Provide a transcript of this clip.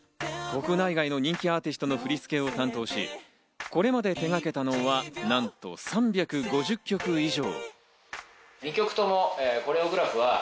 国内外の人気アーティストの振り付けを担当し、これまで手がけたのはなんと３５０曲以上。